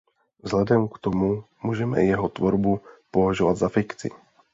Vzhledem k tomu můžeme jeho tvorbu považovat za fikci.